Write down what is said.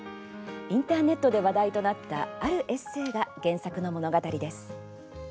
インターネットで話題となったあるエッセーが原作の物語です。